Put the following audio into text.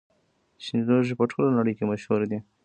چیني لوښي په ټوله نړۍ کې مشهور دي.